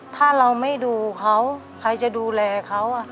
ถ้าเราไม่ดูเขาใครจะดูแลเขา